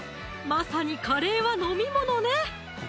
まさにカレーは飲み物ね